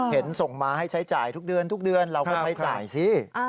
เห็นส่งมาให้ใช้จ่ายทุกเดือนเราก็ใช้จ่ายสิ